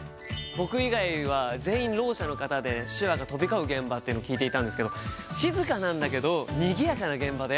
僕以外は全員ろう者の方で手話が飛び交う現場というのを聞いていたんですけど静かなんだけどにぎやかな現場だよって。